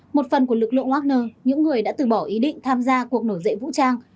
một phần của lực lượng wagner những người đã từ bỏ ý định tham gia cuộc nổi dậy vũ trang